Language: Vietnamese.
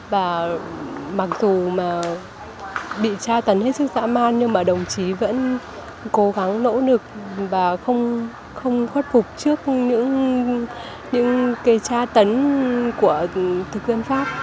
và mặc dù mà bị tra tấn hết sức dã man nhưng mà đồng chí vẫn cố gắng nỗ lực và không khuất phục trước những cái tra tấn của thực dân pháp